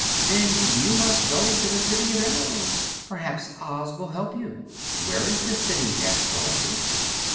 "Then you must go to the City of Emeralds. Perhaps Oz will help you." "Where is this city?" asked Dorothy.